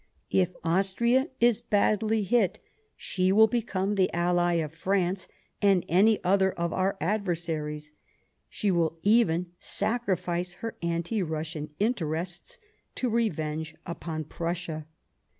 If Austria is badly hit she will become the Ally of France and any other of our adversaries ; she will even sacrifice her anti Russian interests to revenge upon Prussia."